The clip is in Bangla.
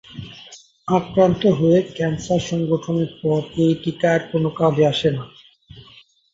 আক্রান্ত হয়ে ক্যান্সার সংঘটনের পর এই টিকা আর কোনো কাজে আসে না।